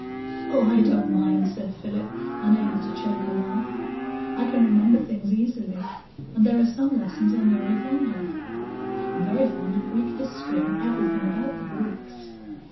"Oh, I don't mind," said Philip, unable to choke a laugh; "I can remember things easily. And there are some lessons I'm very fond of. I'm very fond of Greek history, and everything about the Greeks.